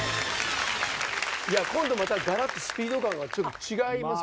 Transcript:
今度またがらっとスピード感がちょっと違いますよね。